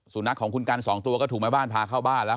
นักของคุณกันสองตัวก็ถูกแม่บ้านพาเข้าบ้านแล้ว